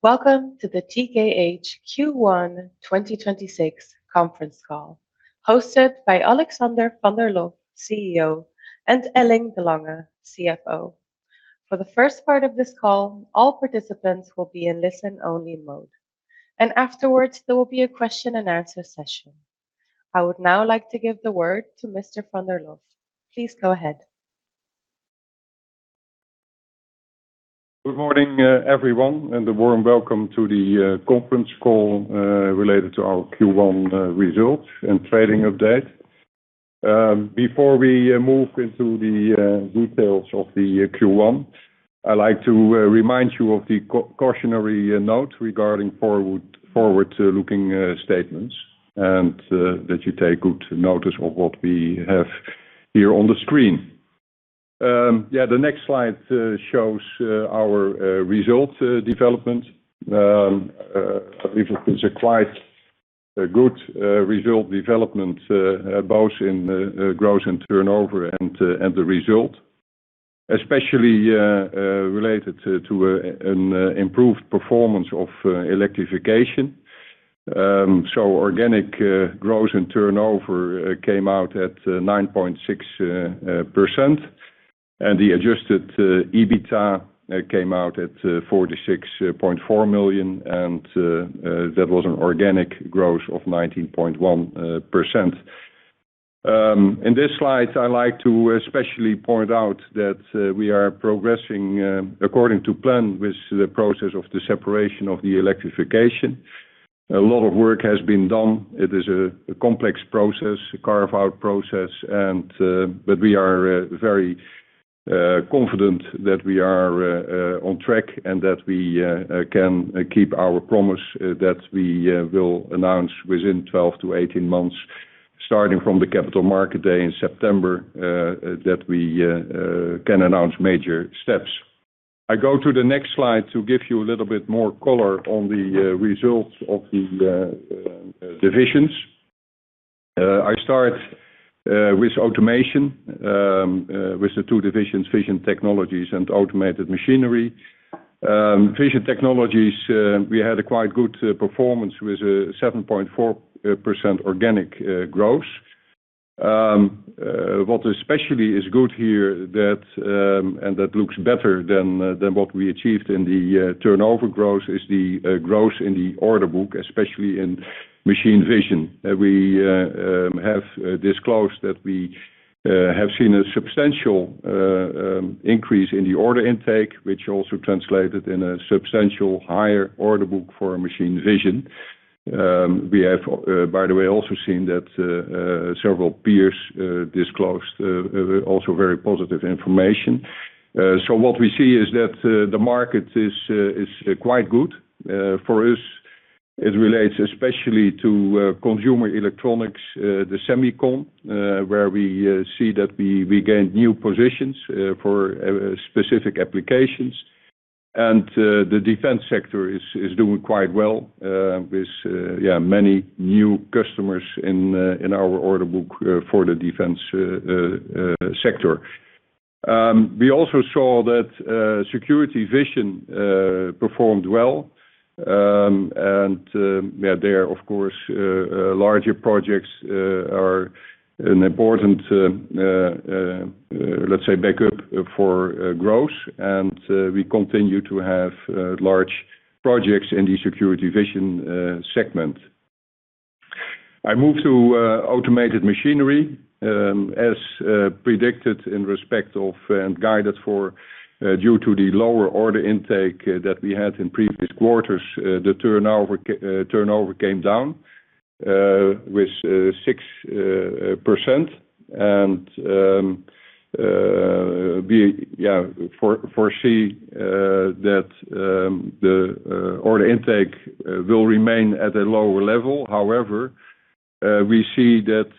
Welcome to the TKH Q1 2026 conference call, hosted by Alexander van der Lof, CEO, and Elling de Lange, CFO. For the first part of this call, all participants will be in listen-only mode. Afterwards, there will be a question-and-answer session. I would now like to give the word to Mr. Van der Lof. Please go ahead. Good morning, everyone, and a warm welcome to the conference call related to our Q1 results and trading update. Before we move into the details of the Q1, I'd like to remind you of the cautionary note regarding forward-looking statements and that you take good notice of what we have here on the screen. The next slide shows our results development. It's a quite good result development, both in growth and turnover and the result, especially related to an improved performance of electrification. Organic growth and turnover came out at 9.6%, and the adjusted EBITDA came out at 46.4 million, and that was an organic growth of 19.1%. In this slide, I like to especially point out that we are progressing according to plan with the process of the separation of the electrification. A lot of work has been done. It is a complex process, a carve-out process, but we are very confident that we are on track and that we can keep our promise that we will announce within 12-18 months, starting from the Capital Market Day in September, that we can announce major steps. I go to the next slide to give you a little bit more color on the results of the divisions. I start with automation, with the two divisions, Vision Technologies and Automated Machinery. Vision Technologies, we had a quite good performance with 7.4% organic growth. What especially is good here that, and that looks better than what we achieved in the turnover growth is the growth in the order book, especially in machine vision. We have disclosed that we have seen a substantial increase in the order intake, which also translated in a substantial higher order book for machine vision. We have, by the way, also seen that several peers disclosed also very positive information. What we see is that the market is quite good. For us, it relates especially to consumer electronics, the semicon, where we see that we gain new positions for specific applications. The defense sector is doing quite well with many new customers in our order book for the defense sector. We also saw that security Vision performed well, and there, of course, larger projects are an important backup for growth. We continue to have large projects in the security Vision segment. I move to Automated Machinery. As predicted in respect of and guided for, due to the lower order intake that we had in previous quarters, the turnover came down with 6%. We foresee that the order intake will remain at a lower level. We see that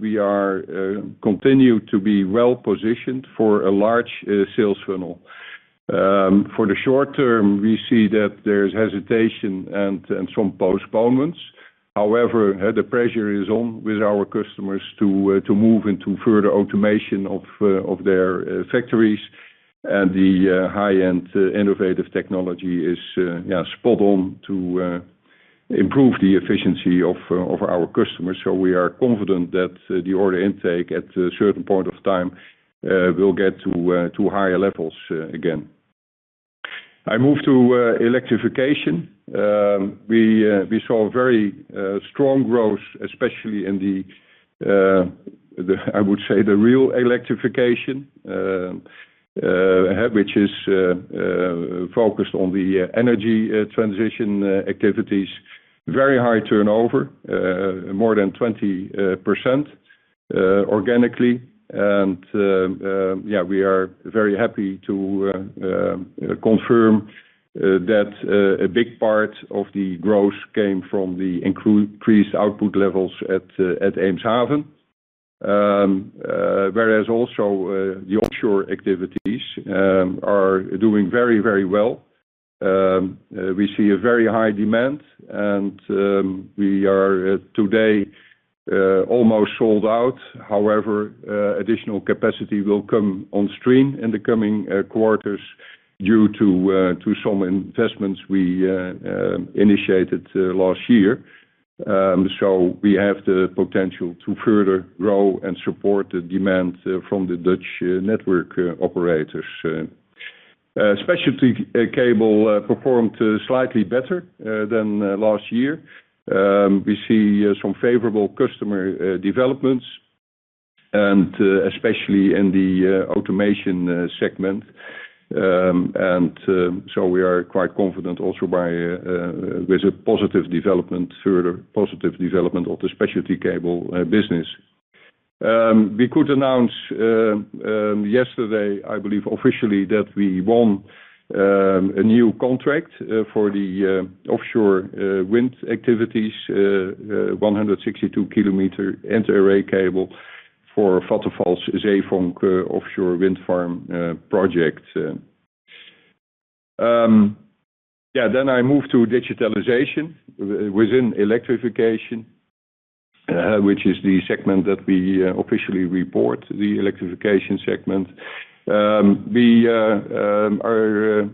we continue to be well-positioned for a large sales funnel. For the short term, we see that there is hesitation and some postponements. The pressure is on with our customers to move into further automation of their factories. The high-end innovative technology is spot on to improve the efficiency of our customers. We are confident that the order intake at a certain point of time will get to higher levels again. I move to electrification. We saw very strong growth, especially in the, I would say, the real electrification, which is focused on the energy transition activities. Very high turnover, more than 20% organically. We are very happy to confirm that a big part of the growth came from the increased output levels at Eemshaven. Whereas also the offshore activities are doing very, very well. We see a very high demand, and we are today almost sold out. However, additional capacity will come on stream in the coming quarters due to some investments we initiated last year. We have the potential to further grow and support the demand from the Dutch network operators. Specialty cable performed slightly better than last year. We see some favorable customer developments and especially in the automation segment. We are quite confident also by with a positive development, further positive development of the specialty cable business. We could announce yesterday, I believe, officially, that we won a new contract for the offshore wind activities, 162 km inter-array cable for Vattenfall's Zeewolde offshore wind farm project. Yeah, I move to digitalization within electrification, which is the segment that we officially report, the electrification segment. We are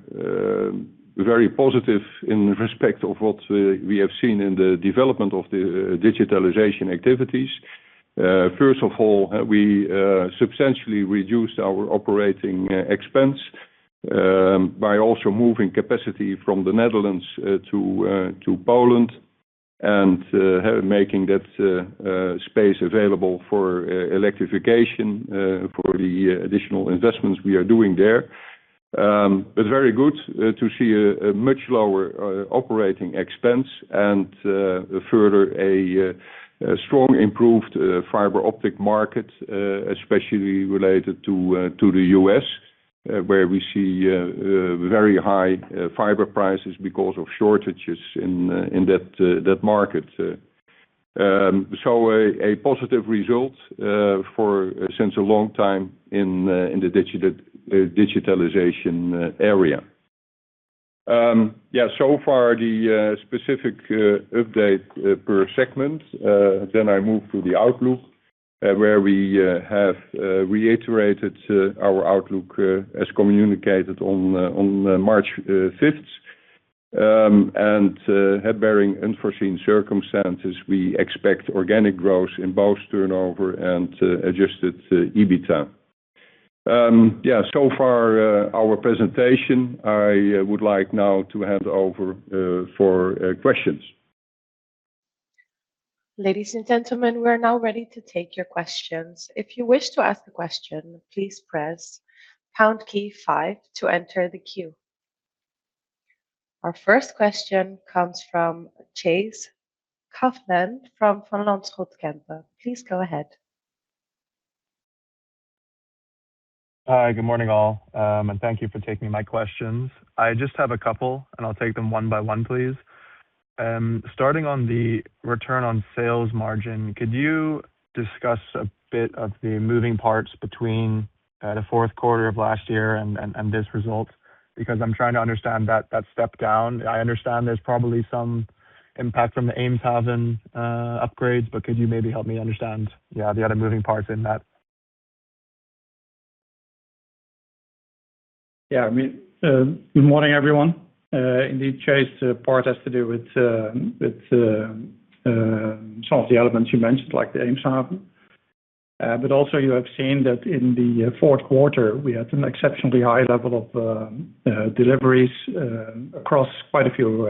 very positive in respect of what we have seen in the development of the digitalization activities. First of all, we substantially reduced our operating expense by also moving capacity from the Netherlands to Poland and making that space available for electrification for the additional investments we are doing there. Very good to see a much lower operating expense and further a strong improved fiber optic market, especially related to the U.S., where we see a very high fiber prices because of shortages in that market. A positive result for since a long time in the digitalization area. So far, the specific update per segment. Then I move to the outlook, where we have reiterated our outlook as communicated on March 5th. Bearing unforeseen circumstances, we expect organic growth in both turnover and adjusted EBITDA. So far, our presentation, I would like now to hand over for questions. Ladies and gentlemen, we are now ready to take your questions. Our first question comes from Chase Coughlan from Van Lanschot Kempen. Please go ahead. Hi, good morning, all. Thank you for taking my questions. I just have a couple, and I'll take them one by one, please. Starting on the return on sales margin, could you discuss a bit of the moving parts between the fourth quarter of last year and this result? I'm trying to understand that step down. I understand there's probably some impact from the Eemshaven upgrades, could you maybe help me understand the other moving parts in that? Yeah. I mean, good morning, everyone. Indeed, Chase part has to do with some of the elements you mentioned, like the Eemshaven. Also you have seen that in the fourth quarter, we had an exceptionally high level of deliveries across quite a few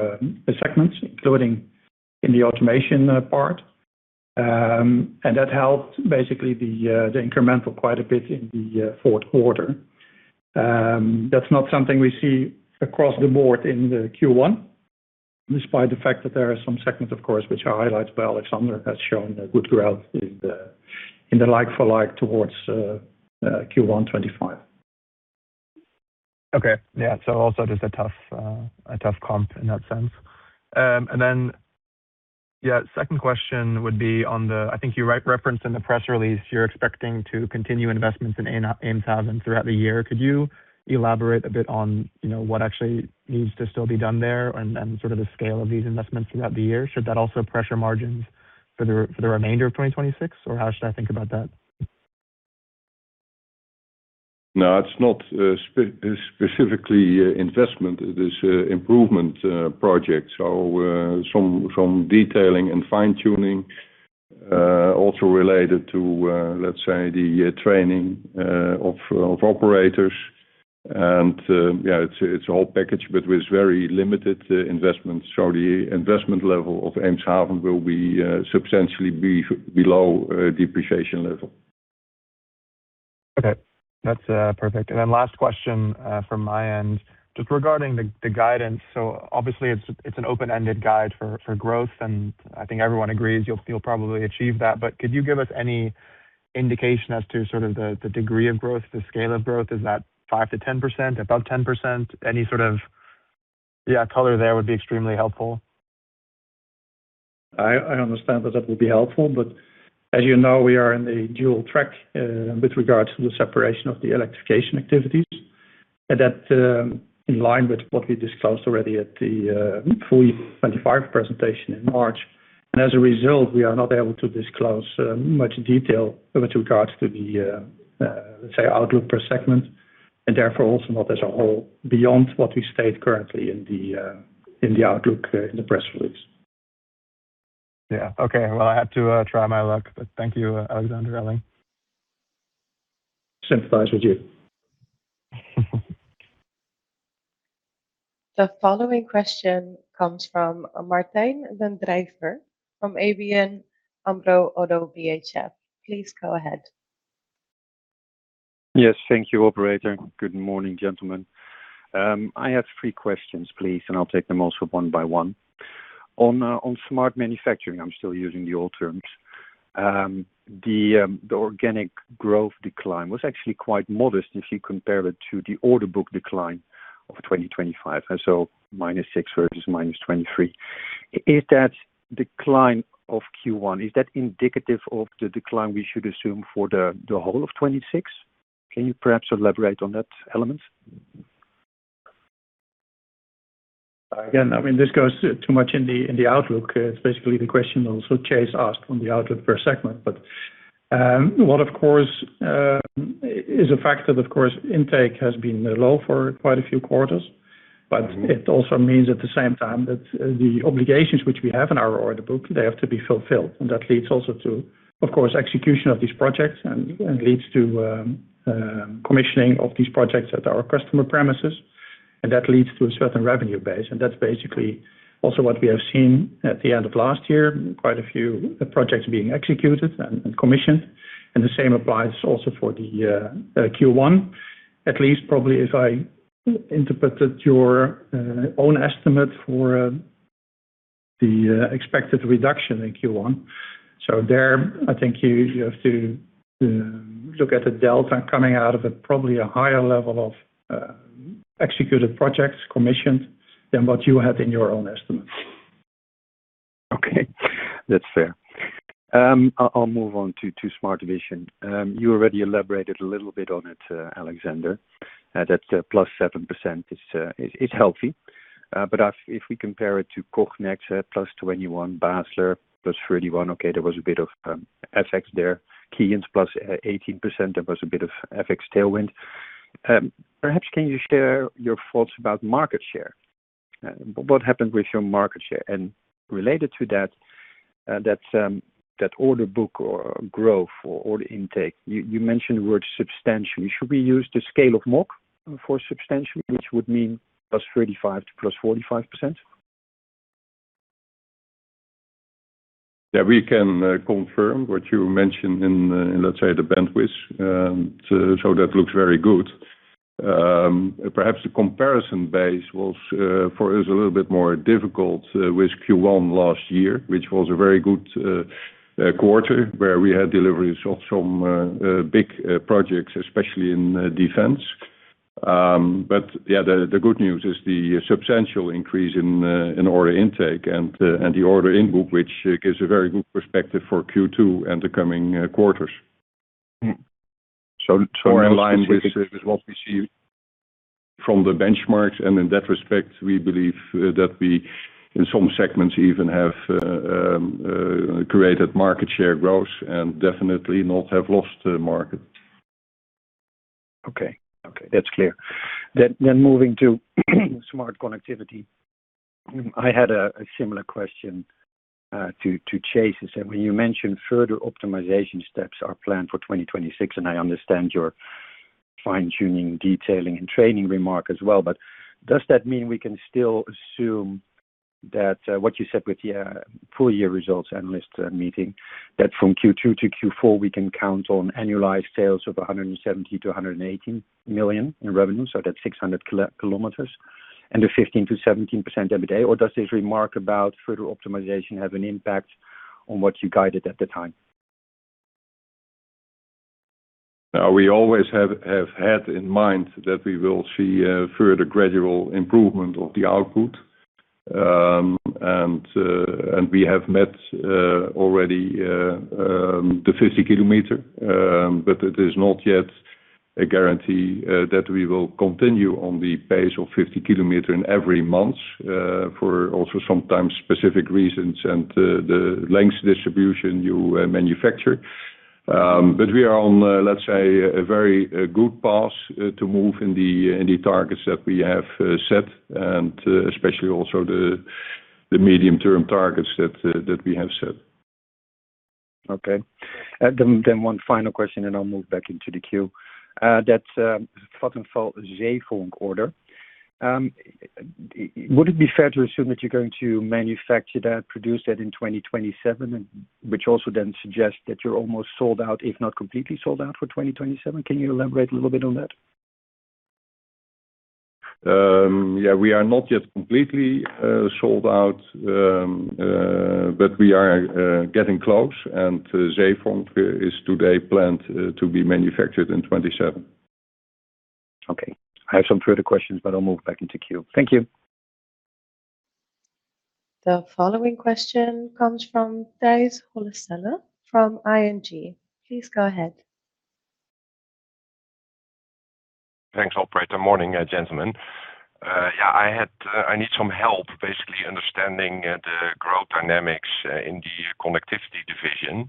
segments, including in the automation part. That helped basically the incremental quite a bit in the fourth quarter. That's not something we see across the board in the Q1, despite the fact that there are some segments, of course, which are highlights by Alexander, has shown a good growth in the like for like towards Q1 2025. Okay. Yeah. Also just a tough, a tough comp in that sense. Second question would be referenced in the press release, you're expecting to continue investments in Eemshaven throughout the year. Could you elaborate a bit on, you know, what actually needs to still be done there and sort of the scale of these investments throughout the year? Should that also pressure margins for the remainder of 2026, or how should I think about that? No, it's not specifically investment. It is improvement project. Some, some detailing and fine-tuning, also related to, let's say, the training of operators. Yeah, it's a whole package, but with very limited investments. The investment level of Eemshaven will be substantially be below depreciation level. Okay. That's perfect. Last question from my end, just regarding the guidance. Obviously, it's an open-ended guide for growth, and I think everyone agrees you'll probably achieve that. Could you give us any indication as to sort of the degree of growth, the scale of growth? Is that 5%-10%? Above 10%? Any sort of, yeah, color there would be extremely helpful. I understand that that will be helpful. As you know, we are in the dual track with regards to the separation of the electrification activities. That, in line with what we discussed already at the full year 2025 presentation in March. As a result, we are not able to disclose much detail with regards to the, let's say, outlook per segment, and therefore also not as a whole, beyond what we state currently in the outlook in the press release. Yeah. Okay. Well, I had to try my luck, but thank you, Alexander, Elling de Lange. Sympathize with you. The following question comes from Martijn den Drijver from ABN AMRO ODDO BHF. Please go ahead. Yes, thank you, operator. Good morning, gentlemen. I have three questions, please. I'll take them also one by one. On Smart Manufacturing, I'm still using the old terms. The organic growth decline was actually quite modest if you compare it to the order book decline of 2025, -6% versus -23%. Is that decline of Q1 indicative of the decline we should assume for the whole of 2026? Can you perhaps elaborate on that element? I mean, this goes too much in the outlook. It's basically the question also Chase asked on the outlook per segment. What of course is a fact that of course intake has been low for quite a few quarters. It also means at the same time that the obligations which we have in our order book, they have to be fulfilled. That leads also to, of course, execution of these projects and leads to commissioning of these projects at our customer premises. That leads to a certain revenue base. That's basically also what we have seen at the end of last year, quite a few projects being executed and commissioned. The same applies also for the Q1. At least probably if I interpreted your own estimate for the expected reduction in Q1. There, I think you have to look at the delta coming out of it, probably a higher level of executed projects commissioned than what you have in your own estimates. Okay. That's fair. I'll move on to Smart Vision. You already elaborated a little bit on it, Alexander, that the +7% is healthy. If we compare it to Cognex +21%, Basler +31%, okay, there was a bit of FX there. Keyence +18%, there was a bit of FX tailwind. Perhaps can you share your thoughts about market share? What happened with your market share? Related to that order book or growth or order intake, you mentioned the word substantial. Should we use the scale of mag for substantial, which would mean +35% to +45%? Yeah, we can confirm what you mentioned in, let's say, the bandwidth. That looks very good. Perhaps the comparison base was for us a little bit more difficult with Q1 last year, which was a very good quarter where we had deliveries of some big projects, especially in defense. Yeah, the good news is the substantial increase in order intake and the order in book, which gives a very good perspective for Q2 and the coming quarters. So- More in line with what we see from the benchmarks, and in that respect, we believe that we, in some segments even have created market share growth and definitely not have lost the market. Okay, that's clear. Moving to Smart Connectivity. I had a similar question to Chase. When you mentioned further optimization steps are planned for 2026, and I understand your fine-tuning, detailing and training remark as well. Does that mean we can still assume that what you said with your full year results analyst meeting, that from Q2 to Q4, we can count on annualized sales of 170 million-180 million in revenue, so that's 600 km, and a 15%-17% EBITDA? Does this remark about further optimization have an impact on what you guided at the time? We always have had in mind that we will see a further gradual improvement of the output. We have met already the 50 km, it is not yet a guarantee that we will continue on the pace of 50 km in every month for also sometimes specific reasons and the length distribution you manufacture. We are on a very good path to move in the targets that we have set, and especially also the medium-term targets that we have set. Okay. Then one final question, and I'll move back into the queue. That Vattenfall Zeewolde order, would it be fair to assume that you're going to manufacture that, produce that in 2027, and which also then suggests that you're almost sold out, if not completely sold out for 2027? Can you elaborate a little bit on that? Yeah, we are not yet completely sold out, but we are getting close. Zeewolde is today planned to be manufactured in 2027. Okay. I have some further questions, but I'll move back into queue. Thank you. The following question comes from Tijs Hollestelle from ING. Please go ahead. Thanks, operator. Morning, gentlemen. I need some help basically understanding the growth dynamics in the connectivity division.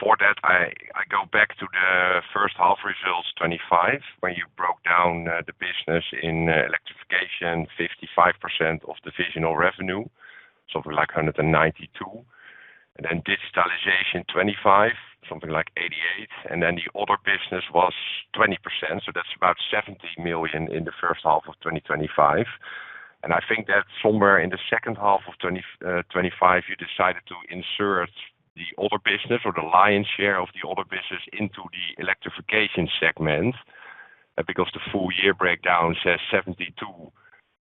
For that, I go back to the first half results 2025, when you broke down the business in electrification, 55% of divisional revenue, something like 192 million. Then digitalization 25%, something like 88 million. Then the other business was 20%, so that's about 70 million in the first half of 2025. I think that somewhere in the second half of 2025, you decided to insert the other business or the lion's share of the other business into the electrification segment. The full year breakdown says 72%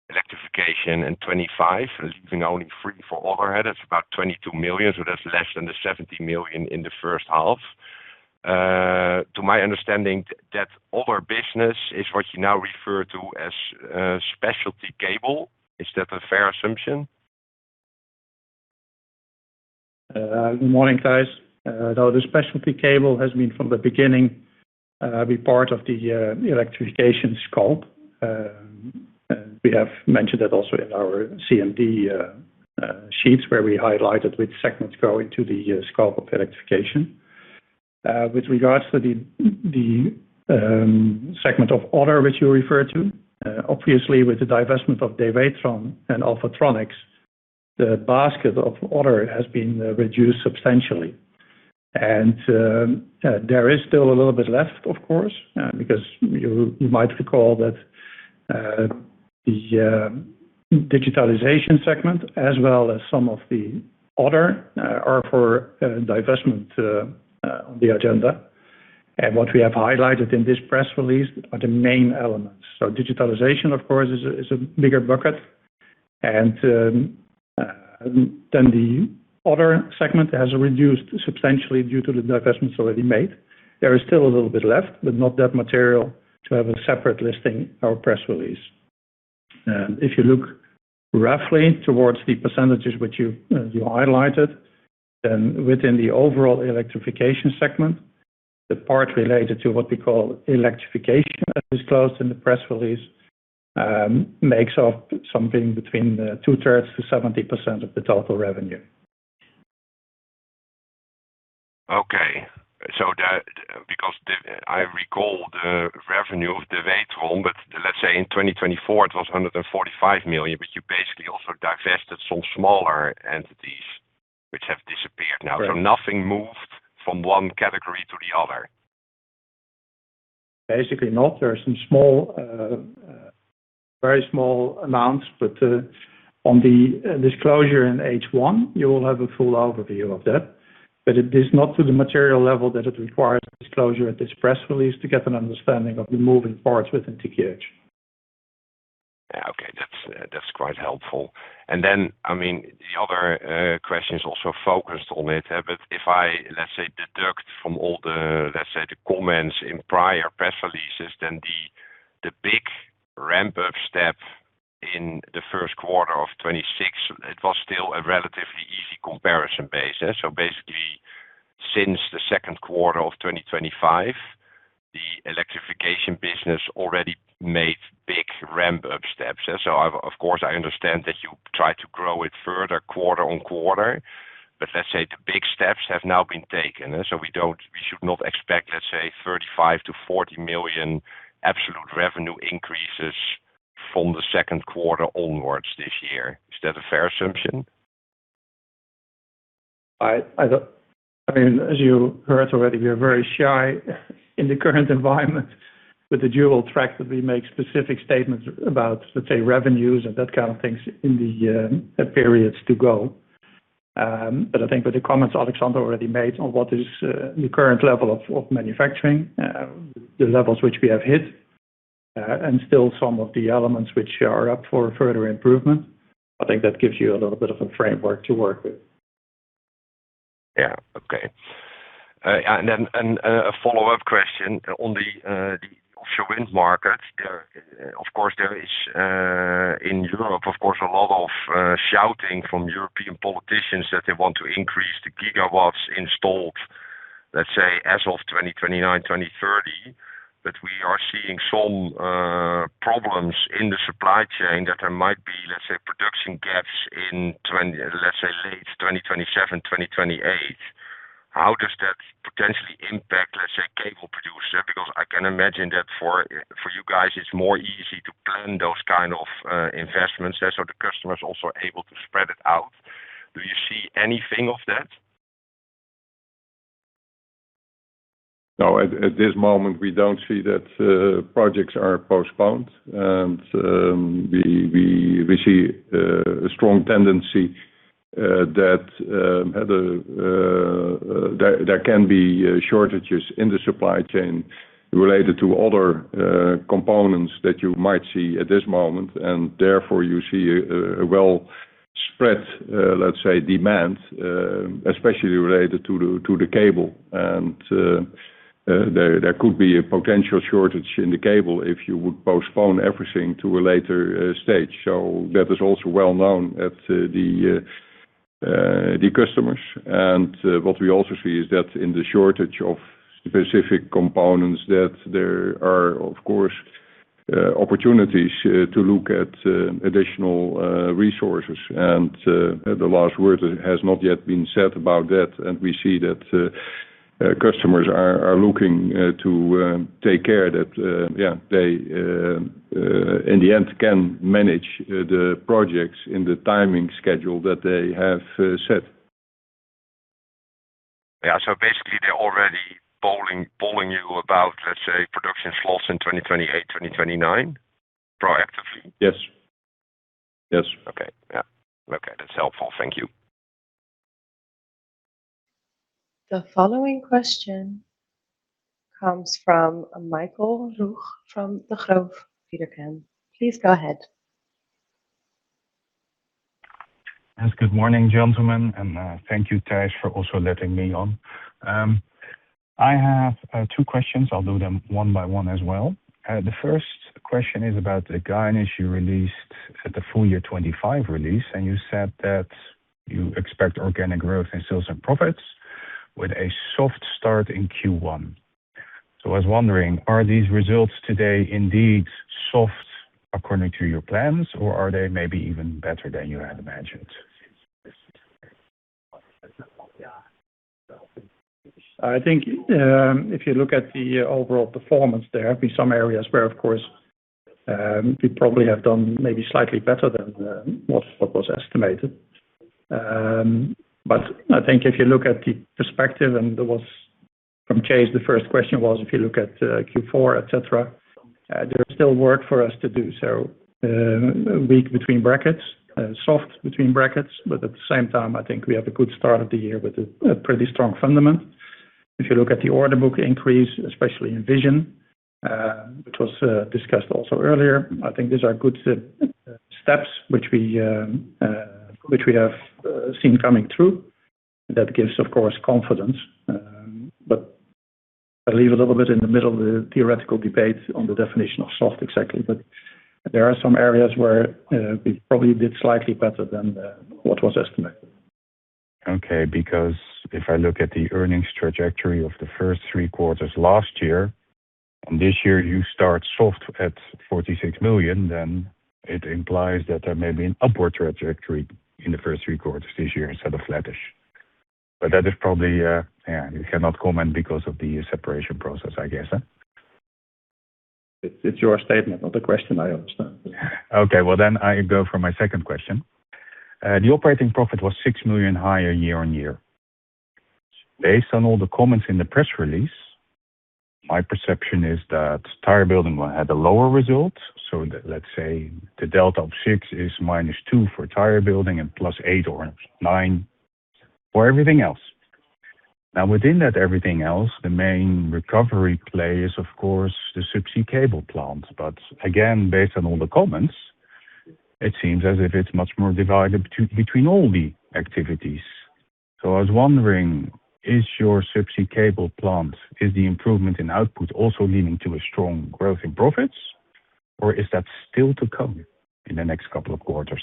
electrification and 25%, leaving only 3% for overhead. That's about 22 million, so that's less than the 70 million in the first half. To my understanding, that other business is what you now refer to as specialty cable. Is that a fair assumption? Good morning, guys. No, the specialty cable has been from the beginning, be part of the electrification scope. We have mentioned that also in our CMD sheets, where we highlighted which segments go into the scope of electrification. With regards to the segment of other which you refer to, obviously with the divestment of Dewetron and Alphatronics, the basket of other has been reduced substantially. There is still a little bit left, of course, because you might recall that the digitalization segment as well as some of the other are for divestment on the agenda. What we have highlighted in this press release are the main elements. Digitalization, of course, is a bigger bucket and the other segment has reduced substantially due to the divestments already made. There is still a little bit left, but not that material to have a separate listing or press release. If you look roughly towards the percentages which you highlighted, then within the overall electrification segment, the part related to what we call electrification as disclosed in the press release, makes up something between 2/3 to 70% of the total revenue. Okay. I recall the revenue of Dewetron, but let's say in 2024, it was 145 million, but you basically also divested some smaller entities which have disappeared now. Right. Nothing moved from one category to the other. Basically not. There are some small, very small amounts, on the disclosure in H1, you will have a full overview of that. It is not to the material level that it requires disclosure at this press release to get an understanding of the moving parts within TKH. Okay. That's quite helpful. I mean, the other question is also focused on it. If I, let's say, deduct from all the, let's say, the comments in prior press releases, then the big ramp-up step in the first quarter of 2026, it was still a relatively easy comparison basis. Basically, since the second quarter of 2025, the electrification business already made big ramp-up steps. Of course, I understand that you try to grow it further quarter-on-quarter, but let's say the big steps have now been taken. We should not expect, let's say, 35 million-40 million absolute revenue increases from the second quarter onwards this year. Is that a fair assumption? I don't I mean, as you heard already, we are very shy in the current environment with the dual track that we make specific statements about, let's say, revenues and that kind of things in the periods to go. I think with the comments Alexander already made on what is the current level of manufacturing, the levels which we have hit, and still some of the elements which are up for further improvement, I think that gives you a little bit of a framework to work with. Yeah. Okay. A follow-up question on the offshore wind market. There, of course, there is in Europe a lot of shouting from European politicians that they want to increase the gigawatts installed, let's say, as of 2029, 2030. We are seeing some problems in the supply chain that there might be, let's say, production gaps in late 2027, 2028. How does that potentially impact, let's say, cable producers? I can imagine that for you guys, it's more easy to plan those kind of investments so the customers are also able to spread it out. Do you see anything of that? No. At this moment, we don't see that projects are postponed. We see a strong tendency that there can be shortages in the supply chain related to other components that you might see at this moment, and therefore you see a well spread, let's say, demand, especially related to the cable. There could be a potential shortage in the cable if you would postpone everything to a later stage. That is also well known at the customers. What we also see is that in the shortage of specific components, that there are of course, opportunities to look at additional resources. The last word has not yet been said about that. We see that customers are looking to take care that, yeah, they in the end can manage the projects in the timing schedule that they have set. Yeah. Basically, they're already polling you about, let's say, production slots in 2028, 2029 proactively? Yes. Yes. Okay. Yeah. Okay. That's helpful. Thank you. The following question comes from Michael Roeg from Degroof Petercam. Please go ahead. Yes. Good morning, gentlemen, and thank you, Tijs, for also letting me on. I have two questions. I'll do them one by one as well. The first question is about the guidance you released at the full year 2025 release, and you said that you expect organic growth in sales and profits with a soft start in Q1. I was wondering, are these results today indeed soft according to your plans, or are they maybe even better than you had imagined? I think, if you look at the overall performance, there have been some areas where, of course, we probably have done maybe slightly better than what was estimated. But I think if you look at the perspective, from Chase, the first question was, if you look at Q4, et cetera, there's still work for us to do. Weak between brackets, soft between brackets, but at the same time, I think we have a good start of the year with a pretty strong fundament. If you look at the order book increase, especially in Vision, which was discussed also earlier, I think these are good steps which we have seen coming through. That gives, of course, confidence. I leave a little bit in the middle of the theoretical debate on the definition of soft exactly. There are some areas where we probably did slightly better than what was estimated. Okay. If I look at the earnings trajectory of the first three quarters last year, and this year you start soft at 46 million, then it implies that there may be an upward trajectory in the first three quarters this year instead of flattish. That is probably, yeah, you cannot comment because of the separation process, I guess? It's your statement, not a question, I understand. Okay. I go for my second question. The operating profit was 6 million higher year-on-year. Based on all the comments in the press release, my perception is that tire building will have a lower result. Let's say the delta of 6 is -2 for tire building and +8 or 9 for everything else. Within that everything else, the main recovery play is, of course, the Subsea cable plant. Again, based on all the comments, it seems as if it's much more divided between all the activities. I was wondering, is your Subsea cable plant, is the improvement in output also leading to a strong growth in profits, or is that still to come in the next couple of quarters?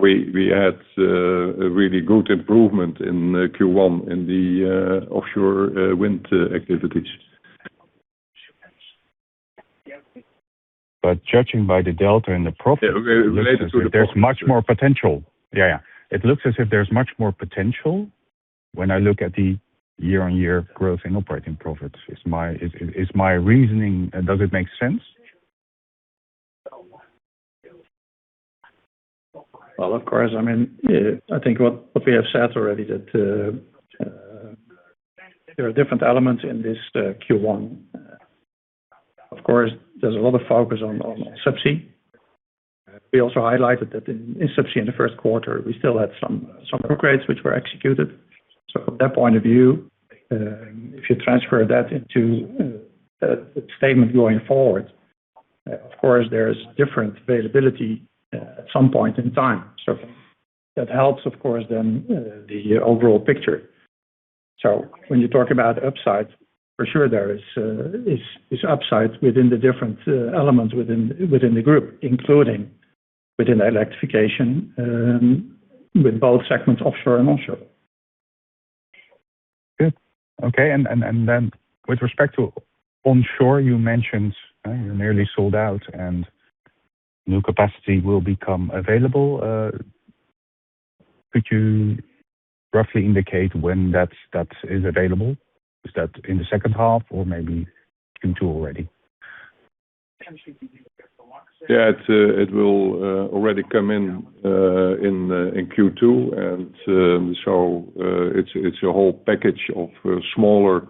We had a really good improvement in Q1 in the offshore wind activities. judging by the delta and the Related to the profit. There's much more potential. Yeah, yeah. It looks as if there's much more potential when I look at the year-on-year growth in operating profits. Is my reasoning, does it make sense? Well, of course. I mean, I think what we have said already that there are different elements in this Q1. Of course, there's a lot of focus on Subsea. We also highlighted that in Subsea in the first quarter, we still had some upgrades which were executed. From that point of view, if you transfer that into a statement going forward, of course, there's different availability at some point in time. That helps, of course, then the overall picture. When you talk about upside, for sure there is upside within the different elements within the group, including within electrification, with both segments offshore and onshore. Good. Okay. Then with respect to onshore, you mentioned, you're nearly sold out and new capacity will become available. Could you roughly indicate when that is available? Is that in the second half or maybe in two already? Yeah. It will already come in Q2. It's a whole package of smaller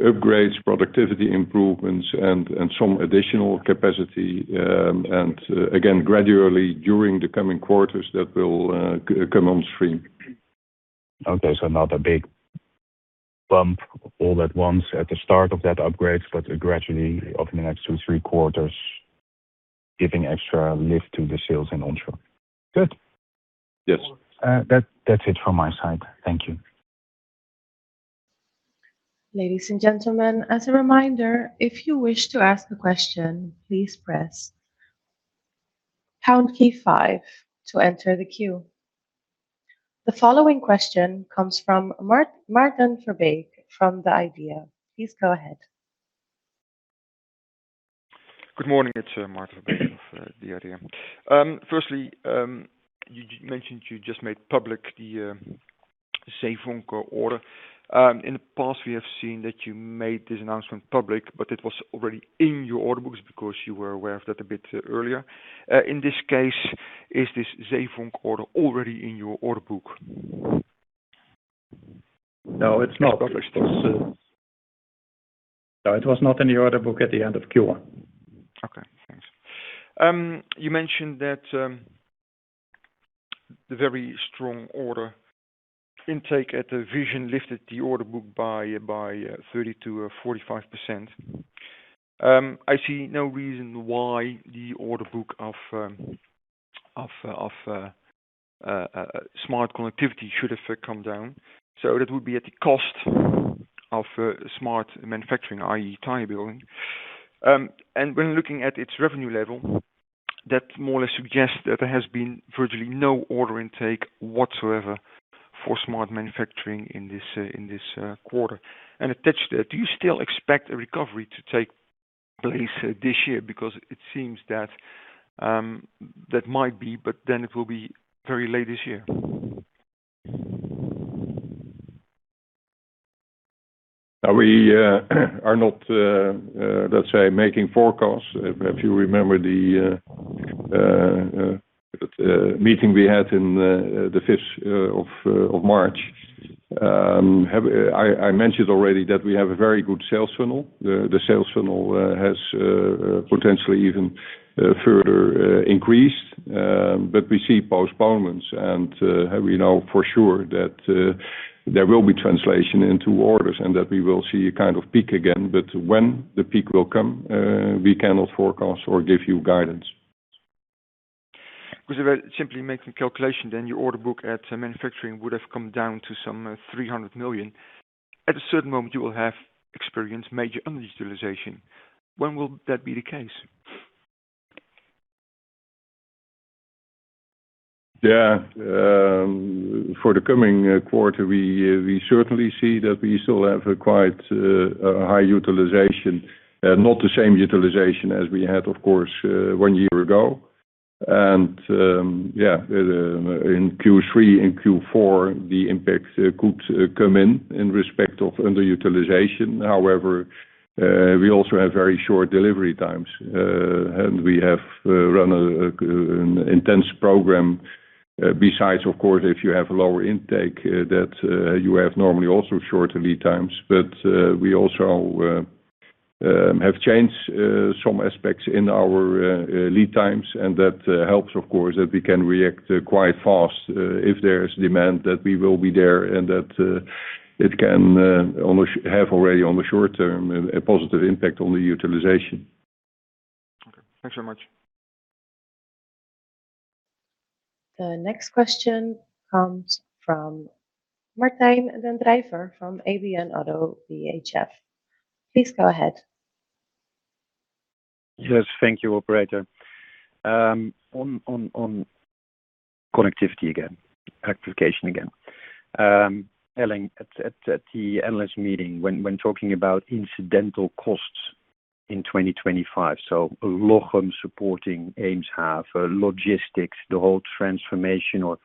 upgrades, productivity improvements and some additional capacity. Again, gradually during the coming quarters that will come on stream. Okay. Not a big bump all at once at the start of that upgrade, but gradually over the next two, three quarters. Giving extra lift to the sales in Subsea. Good. Yes. That's it from my side. Thank you. Ladies and gentlemen, as a reminder, if you wish to ask a question, please press pound key five to enter the queue. The following question comes from Maarten Verbeek from the IDEA. Please go ahead. Good morning, it's Maarten Verbeek of the IDEA. Firstly, you just made public the Zeewolde order. In the past we have seen that you made this announcement public, but it was already in your order books because you were aware of that a bit earlier. In this case, is this Zeewolde order already in your order book? No, it's not. It was not in the order book at the end of Q1. Okay, thanks. You mentioned that the very strong order intake at the Vision lifted the order book by 30%-45%. I see no reason why the order book of Smart Connectivity should have come down. That would be at the cost of Smart Manufacturing, i.e. tire building. When looking at its revenue level, that more or less suggests that there has been virtually no order intake whatsoever for Smart Manufacturing in this quarter. Attached to that, do you still expect a recovery to take place this year? Because it seems that that might be, it will be very late this year. We are not, let's say, making forecasts. If you remember the meeting we had in the 5th of March, I mentioned already that we have a very good sales funnel. The sales funnel has potentially even further increased. We see postponements and we know for sure that there will be translation into orders, and that we will see a kind of peak again. When the peak will come, we cannot forecast or give you guidance. If I simply make the calculation, then your order book at manufacturing would have come down to some 300 million. At a certain moment, you will have experienced major underutilization. When will that be the case? For the coming quarter, we certainly see that we still have a quite high utilization. Not the same utilization as we had, of course, one year ago. In Q3 and Q4, the impact could come in respect of underutilization. However, we also have very short delivery times. And we have run an intense program. Besides of course, if you have lower intake, that you have normally also shorter lead times. We also have changed some aspects in our lead times, and that helps, of course, that we can react quite fast. If there is demand, that we will be there and that it can almost have already on the short term a positive impact on the utilization. Okay. Thanks very much. The next question comes from Martijn den Drijver from ABN ODDO BHF. Please go ahead. Yes. Thank you, operator. On connectivity again, clarification again. Elling, at the analyst meeting when talking about incidental costs in 2025, so local supporting Eemshaven logistics, the whole transformation or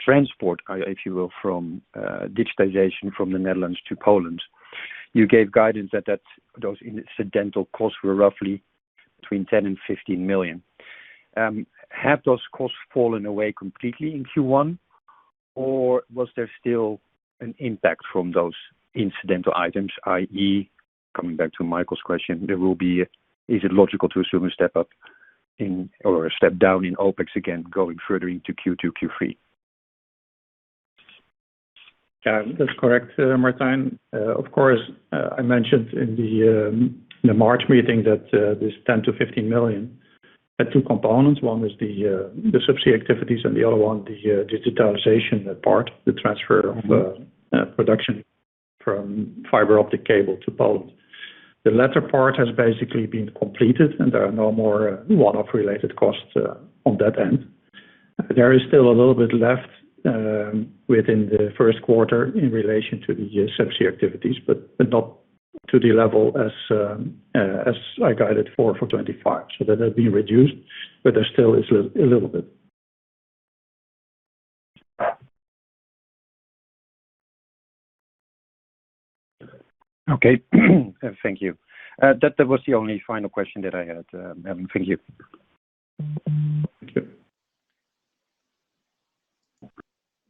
transport, if you will, from digitization from the Netherlands to Poland. You gave guidance that those incidental costs were roughly between 10 million-15 million. Have those costs fallen away completely in Q1, or was there still an impact from those incidental items, i.e. coming back to Michael's question, there will be, is it logical to assume a step up in or a step down in OpEx again, going further into Q2, Q3? That's correct, Martijn. Of course, I mentioned in the March meeting that this 10 million-15 million had two components. One was the Subsea activities and the other one the digitalization part, the transfer of production from fiber optic cable to Poland. The latter part has basically been completed, and there are no more one-off related costs on that end. There is still a little bit left within the first quarter in relation to the Subsea activities, but not to the level as I guided for 2025. That has been reduced, but there still is a little bit. Okay. Thank you. That was the only final question that I had. Thank you. Thank you.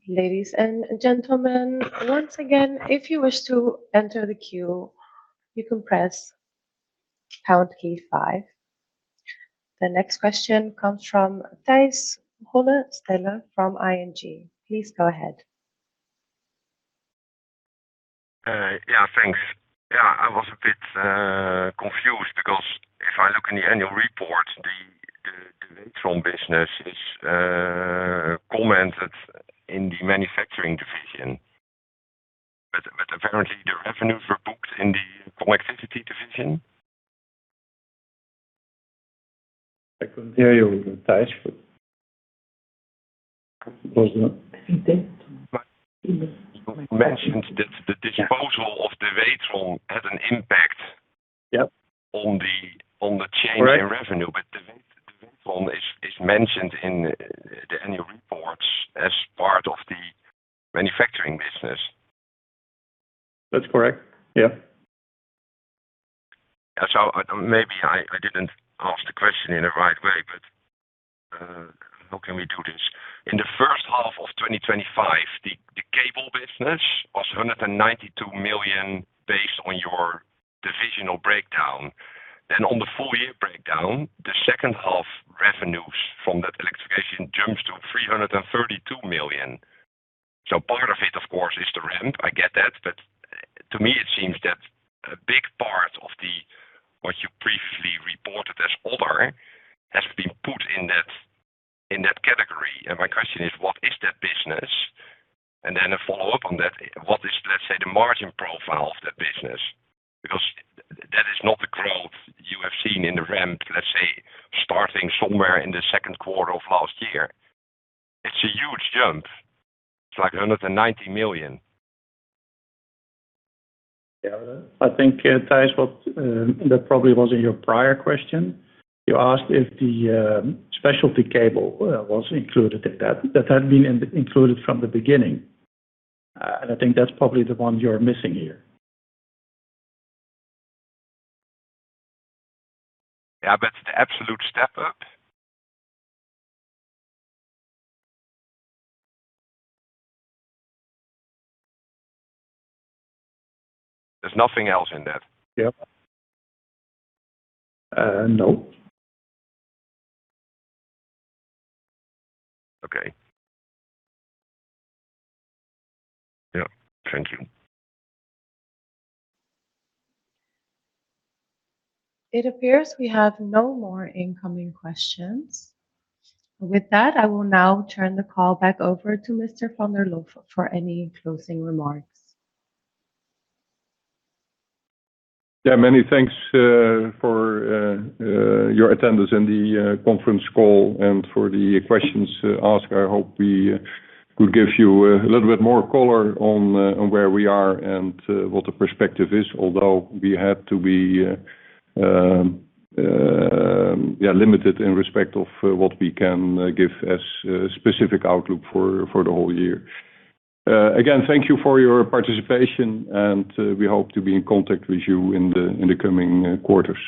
Ladies and gentlemen, once again, if you wish to enter the queue, you can press pound key five. The next question comes from Tijs Hollestelle from ING. Please go ahead. Yeah, thanks. Yeah, I was a bit confused because if I look in the annual report, the Dewetron business is commented in the manufacturing division. Apparently, the revenues were booked in the connectivity division. I couldn't hear you, Tijs. Mentioned that the disposal of the Dewetron had an impact. Yeah -on the, on the change- Correct. -in revenue. The Dewetron is mentioned in the annual reports as part of the manufacturing business. That's correct. Yeah. I don't maybe I didn't ask the question in the right way, but how can we do this? In the first half of 2025, the cable business was 192 million based on your divisional breakdown. On the full year breakdown, the second half revenues from that electrification jumps to 332 million. Part of it, of course, is the ramp. I get that. To me it seems that a big part of what you previously reported as other has been put in that category. My question is, what is that business? Then a follow-up on that, what is, let's say, the margin profile of that business? Because that is not the growth you have seen in the ramp, let's say, starting somewhere in the second quarter of last year. It's a huge jump. It's like 190 million. Yeah. I think, Tijs, what that probably was in your prior question. You asked if the specialty cable was included in that. That had been included from the beginning. I think that's probably the one you're missing here. Yeah, it's an absolute step up. There's nothing else in that? Yep. No. Okay. Yeah. Thank you. It appears we have no more incoming questions. With that, I will now turn the call back over to Mr. Van der Lof for any closing remarks. Many thanks for your attendance in the conference call and for the questions asked. I hope we could give you a little bit more color on where we are and what the perspective is. Although we had to be limited in respect of what we can give as specific outlook for the whole year. Again, thank you for your participation, and we hope to be in contact with you in the coming quarters.